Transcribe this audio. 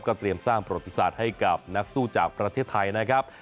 เตรียมสร้างประวัติศาสตร์ให้กับนักสู้จากประเทศไทยนะครับ